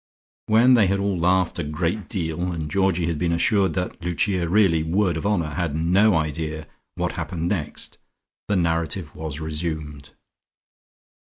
When they had all laughed a great deal, and Georgie had been assured that Lucia really, word of honour, had no idea what happened next, the narrative was resumed.